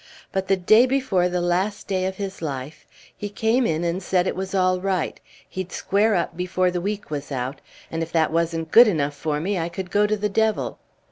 But the day before the last day of his life he came in and said it was all right, he'd square up before the week was out, and if that wasn't good enough for me I could go to the devil.